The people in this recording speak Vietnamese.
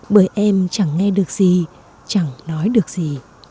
bởi em chẳng nghe được gì chẳng nói được gì